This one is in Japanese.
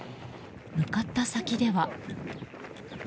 向かった先では。